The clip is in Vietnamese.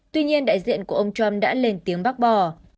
tuy nhiên đại diện của ông trump đã lên tiếng bác bỏ